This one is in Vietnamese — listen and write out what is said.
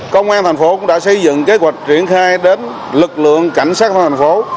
công an thành phố đã xây dựng kế hoạch triển khai đến lực lượng cảnh sát thành phố